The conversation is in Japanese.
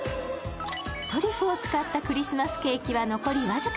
トリュフを使ったクリスマスケーキは残り僅か。